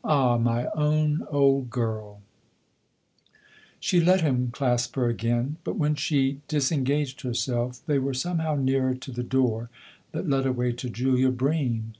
" Ah, my own old girl !" She let him clasp her again, but when she disen gaged herself they were somehow nearer to the door that led away to Julia Bream.